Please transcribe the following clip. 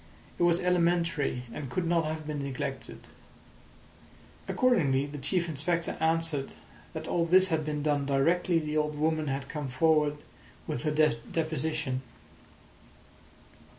It was elementary, and could not have been neglected. Accordingly the Chief Inspector answered that all this had been done directly the old woman had come forward with her deposition.